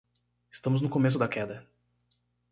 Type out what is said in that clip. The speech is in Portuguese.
Estamos no começo da queda.